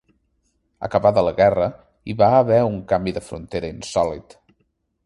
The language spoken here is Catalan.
Acabada la guerra, hi va haver un canvi de frontera insòlit.